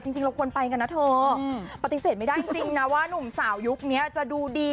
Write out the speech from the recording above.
จริงเราควรไปกันนะเธอปฏิเสธไม่ได้จริงนะว่านุ่มสาวยุคนี้จะดูดี